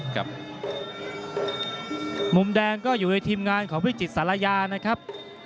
มุมแดงก็อยู่ในทีมงานของพิจิตศาลายานะครับ